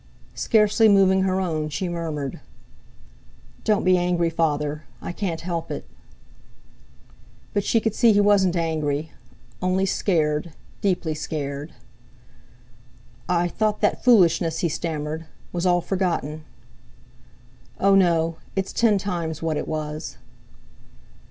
Scarcely moving her own, she murmured: "Don't be angry, Father. I can't help it." But she could see he wasn't angry; only scared, deeply scared. "I thought that foolishness," he stammered, "was all forgotten." "Oh, no! It's ten times what it was."